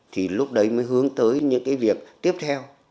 thì lúc đấy mới hướng tới những cái việc tiếp theo